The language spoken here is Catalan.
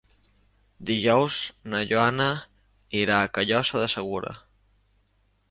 Dijous na Joana irà a Callosa de Segura.